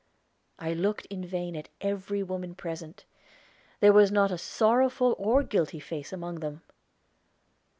I looked in vain at every women present; there was not a sorrowful or guilty face among them.